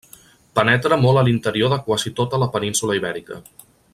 Penetra molt a l'interior de quasi tota la península Ibèrica.